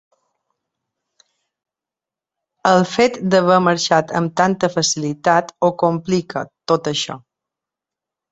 El fet d’haver marxat amb tanta facilitat ho complica, tot això.